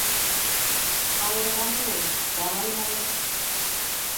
Ауырығандыр ул, барайым әле.